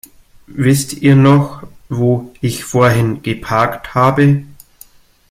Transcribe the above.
Wisst ihr noch, wo ich vorhin geparkt habe?